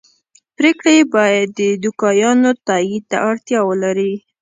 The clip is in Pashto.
پرېکړې یې باید د دوکیانو تایید ته اړتیا ولري